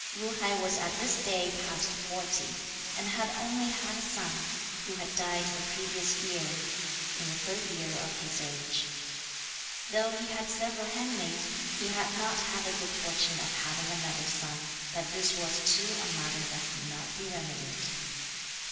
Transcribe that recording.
Ju hai was at this date past forty; and had only had a son, who had died the previous year, in the third year of his age. Though he had several handmaids, he had not had the good fortune of having another son; but this was too a matter that could not be remedied.